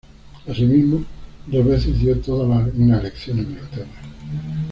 Asimismo, dos veces dio toda una lección a Inglaterra.